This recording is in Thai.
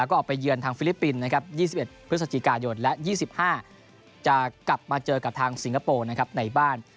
ออกไปเยือนทางฟิลิปปินส์๒๑พฤศจิกายท์และ๒๕จะกลับมาเจอกับทางสิงคโปร์ในบ้าน